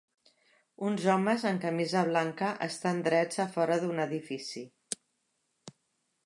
Uns homes amb camisa blanca estan drets a fora d'un edifici.